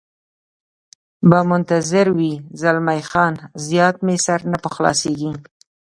به منتظر وي، زلمی خان: زیات مې سر نه په خلاصېږي.